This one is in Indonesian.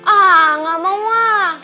enggak mau ma